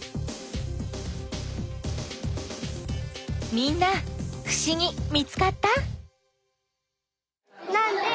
みんなふしぎ見つかった？